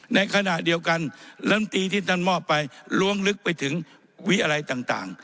ในขณะเดียวกันลำตีที่ท่านมอบไปล้วงลึกไปถึงวิอะไรต่าง